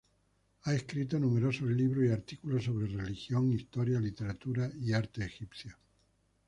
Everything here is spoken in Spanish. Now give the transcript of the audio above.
Ha escrito numerosos libros y artículos sobre religión, historia, literatura y arte egipcio.